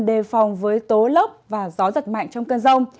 đề phòng với tố lốc và gió giật mạnh trong cơn rông